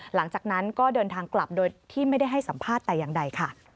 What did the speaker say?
หลังจากนั้นก็เดินทางกลับโดยที่ไม่ได้ให้สัมภาษณ์แต่อย่างใดค่ะ